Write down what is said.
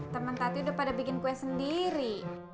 temen tati udah pada bikin kue sendiri